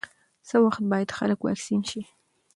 څه وخت باید خلک واکسین شي؟